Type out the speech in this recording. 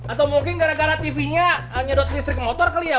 atau mungkin gara gara tv nya nyedot listrik motor kali ya